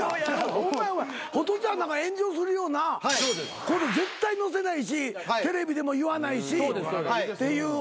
ホトちゃんなんか炎上するようなこと絶対載せないしテレビでも言わないしっていう。